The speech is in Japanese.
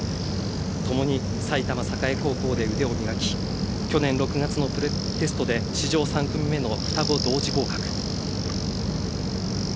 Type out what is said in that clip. ともに埼玉栄高校で腕を磨き去年６月のプロテストで史上３組目の双子同時合格。